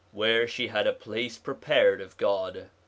Where she had a place prepared of God.